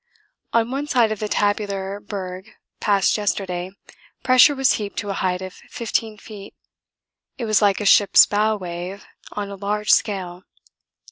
On one side of the tabular berg passed yesterday pressure was heaped to a height of 15 feet it was like a ship's bow wave on a large scale.